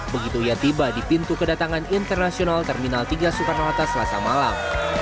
begitu ia tiba di pintu kedatangan internasional terminal tiga soekarno hatta selasa malam